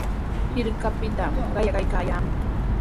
Hirkapitami qayakuykaayaamun.